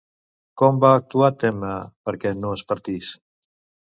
Com va actuar Temme perquè no es partís?